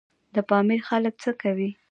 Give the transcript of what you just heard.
د پامیر خلک څه کوي؟